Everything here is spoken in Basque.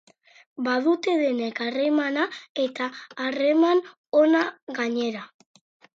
Badute denek harremana eta harreman ona gainera.